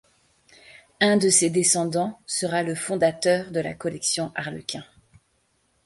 Un de ses descendants sera le fondateur de la collection Harlequin.